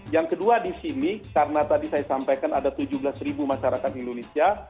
yang kedua di sini karena tadi saya sampaikan ada tujuh belas ribu masyarakat indonesia